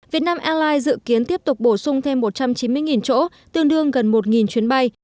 việt nam airlines dự kiến tiếp tục bổ sung thêm một trăm chín mươi chỗ tương đương gần một chuyến bay